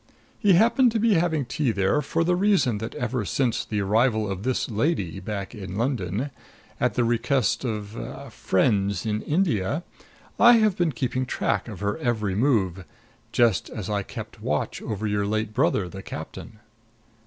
He happened to be having tea there for the reason that ever since the arrival of this lady in London, at the request of er friends in India, I have been keeping track of her every move; just as I kept watch over your late brother, the captain."